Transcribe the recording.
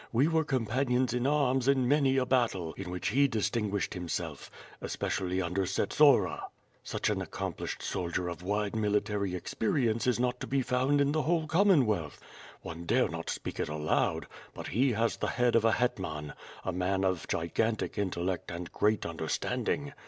We were companions in arms in many a battle, in which he distinguished himself, especially under Tsetsora. Such an accomplished soldier of wide military experience is not to be found in the whole Commonwealth. One dare not speak it aloud, but he has the head of a Hetman; a man of gigantic intellect and great understanding.